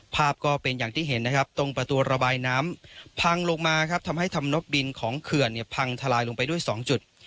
ภาพก็เป็นอย่างที่เห็นตรงประตูระบายน้ำพังลงให้ทำให้น๊อบบินของเขื่อนเนี่ยพังหลายลงไปด้วยสองจุด